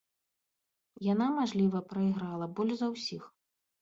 Яна, мажліва, прайграла больш за ўсіх.